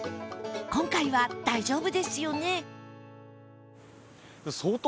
今回は大丈夫ですよね？